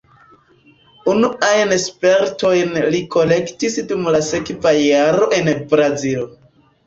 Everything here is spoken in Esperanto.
Unuajn spertojn li kolektis dum la sekva jaro en Brazilo.